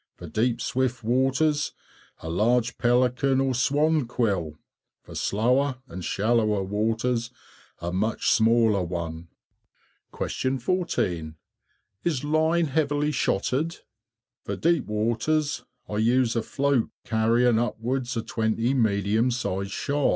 For deep swift waters, a large pelican or swan quill, for slower and shallower waters a much smaller one. 14. Is line heavily shotted? For deep waters I use a float carrying upwards of 20 medium sized shot.